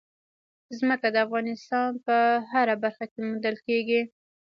ځمکه د افغانستان په هره برخه کې موندل کېږي.